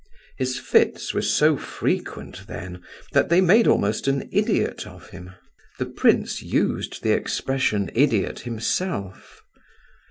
His fits were so frequent then, that they made almost an idiot of him (the prince used the expression "idiot" himself).